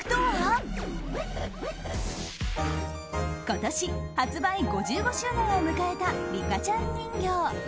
今年、発売５５周年を迎えたリカちゃん人形。